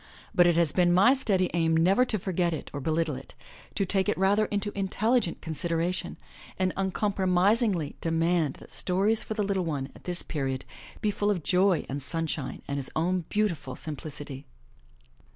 But it has been my steady aim never to forget it or belittle it, to take it rather into intelligent consideration, and uncompromisingly de 213 MY BOOK HOUSE mand that stories for the little one at this period be full of joy and sunshine and his own beautiful simplicity.